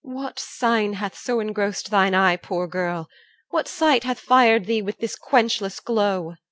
EL. What sign hath so engrossed thine eye, poor girl? What sight hath fired thee with this quenchless glow?